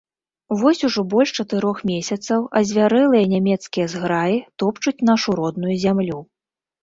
Вось ужо больш чатырох месяцаў азвярэлыя нямецкія зграі топчуць нашу родную зямлю.